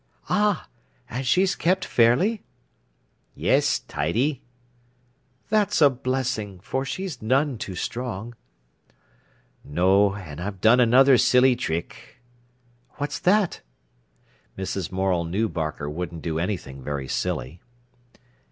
"Ah! And she's kept fairly?" "Yes, tidy." "That's a blessing, for she's none too strong." "No. An' I've done another silly trick." "What's that?" Mrs. Morel knew Barker wouldn't do anything very silly.